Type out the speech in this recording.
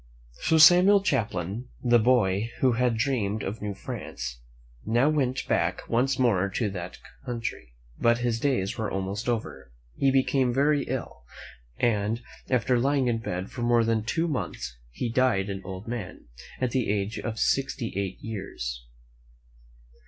So Samuel Champlain, the boy who had dreamed of New France, now went back once more to that country; but his days were almost over. He became very ill, and, after lying in bed for more than two months, he died an old man, at the age of sixty eight years.